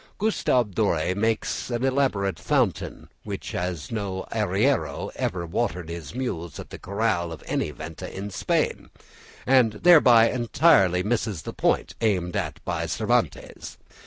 Gustave Dore makes it an elaborate fountain such as no arriero ever watered his mules at in the corral of any venta in Spain, and thereby entirely misses the point aimed at by Cervantes.